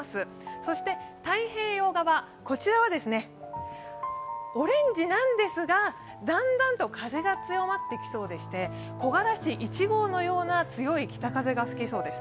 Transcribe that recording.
そして太平洋側は、オレンジなんですが、だんだんと風が強まってきそうでして木枯らし１号のような強い北風が吹きそうです。